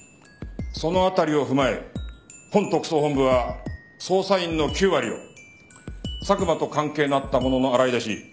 その辺りを踏まえ本特捜本部は捜査員の９割を佐久間と関係のあった者の洗い出し